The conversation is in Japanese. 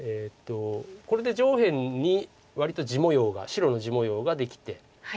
これで上辺に割と地模様が白の地模様ができて。